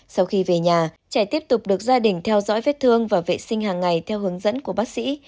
sau khi về nhà trẻ tiếp tục được gia đình theo dõi vết thương và vệ sinh hàng ngày theo hướng dẫn của bác sĩ